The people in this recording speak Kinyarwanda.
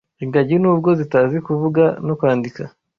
Ingagi n’ubwo zitazi kuvuga no kwandika